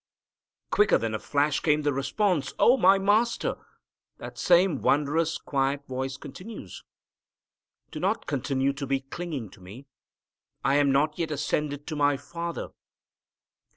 Quicker than a flash came the response, "Oh, my Master!" That same wondrous, quiet voice continues, "Do not continue to be clinging to Me. I am not yet ascended to my Father.